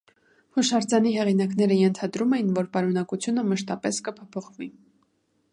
Հուշարձանի հեղինակները ենթադրում էին, որ պարունակությունը մշտապես կփոփոխվի։